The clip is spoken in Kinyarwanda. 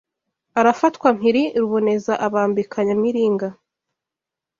Arafatwa mpiri ruboneza abambika Nyamiringa